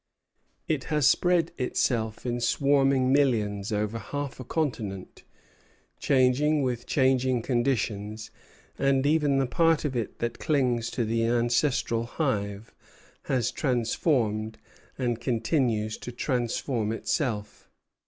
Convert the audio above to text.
It has spread itself in swarming millions over half a continent, changing with changing conditions; and even the part of it that clings to the ancestral hive has transformed and continues to transform itself.